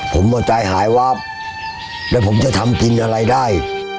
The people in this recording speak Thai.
ผมเอาใจหายวาบแล้วผมจะทำกินอะไรได้